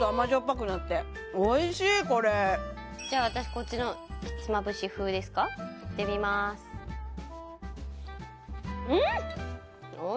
ぱくなっておいしいこれじゃあ私こっちのひつまぶし風ですかいってみますうん！